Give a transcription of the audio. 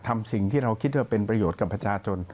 ทำสิ่งที่เราคิดว่าเป็นประโยชน์กับประชาชน